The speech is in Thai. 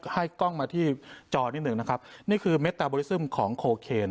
ให้กล้องมาที่จอนิดหนึ่งนะครับนี่คือเมตตาบริซึมของโคเคน